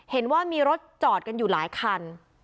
เห็นว่ามีรถจอดกันอยู่หลายคัน